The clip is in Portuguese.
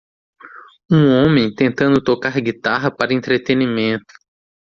Um homem tentando tocar guitarra para entretenimento.